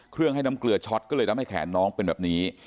ให้น้ำเกลือช็อตก็เลยทำให้แขนน้องเป็นแบบนี้